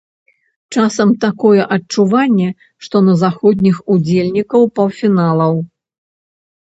Часам такое адчуванне, што на заходніх удзельнікаў паўфіналаў.